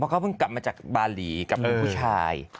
เพราะเขาเพิ่งกลับมาจากบาหลีกับผู้ชาย